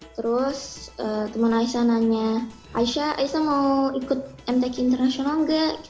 terus teman aisyah nanya aisyah aisyah mau ikut mtk internasional nggak